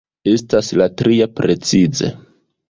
Estas la tria precize.